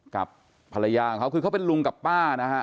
กับภรรยาของเขาคือเขาเป็นลุงกับป้านะฮะ